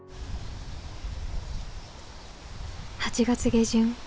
８月下旬。